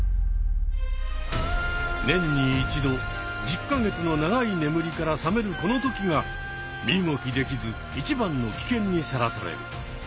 年に一度１０か月の長いねむりから覚めるこの時が身動きできず一番の危険にさらされる。